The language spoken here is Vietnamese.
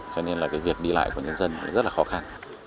cho nên việc đi lại của nhân dân rất khó khăn